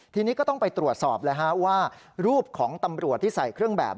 ทีนี้ก็ต้องไปตรวจสอบเลยฮะว่ารูปของตำรวจที่ใส่เครื่องแบบ